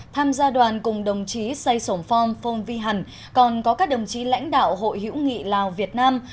tham gia đoàn cùng đồng chí say sổng phong phong vi hẳn còn có các đồng chí lãnh đạo hội hữu nghị lào việt nam